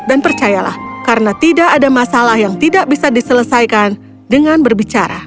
dan percayalah karena tidak ada masalah yang tidak bisa diselesaikan dengan berbicara